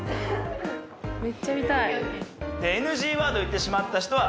めっちゃ見たい。